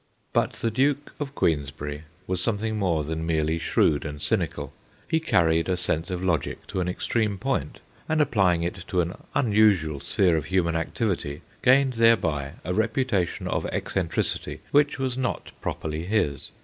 But the Duke of Queensberry was some thing more than merely shrewd and cynical. He carried a sense of logic to an extreme point, and applying it to an unusual sphere of human activity gained thereby a reputa tion of eccentricity which was not properly his.